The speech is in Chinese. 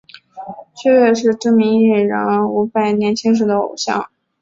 薛岳是知名艺人伍佰年轻时的偶像。